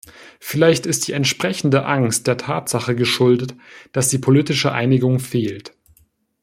Vielleicht ist die entsprechende Angst der Tatsache geschuldet, dass die politische Einigung fehlt.